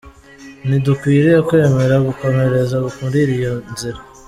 Ntidukwiriye kwemera gukomereza muri iyo nzira.